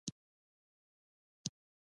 مصنوعي ځیرکتیا د فساد مخنیوي کې مرسته کوي.